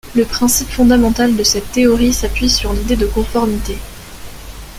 Le principe fondamental de cette théorie s'appuie sur l'idée de conformité.